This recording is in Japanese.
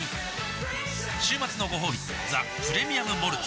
週末のごほうび「ザ・プレミアム・モルツ」